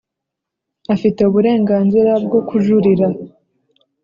afite uburenganzira bwo kujurira,